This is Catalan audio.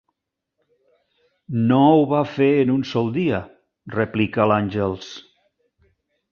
No ho va fer en un sol dia –replica l'Àngels.